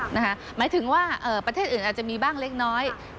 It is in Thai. หมายถึงว่าประเทศอื่นอาจจะมีบ้างเล็กน้อย